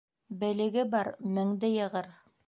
Белеге бар меңде йығыр.